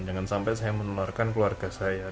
jangan sampai saya menularkan keluarga saya